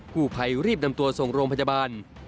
ผู้ภัยรีบนำตัวส่งโรงพยาบาล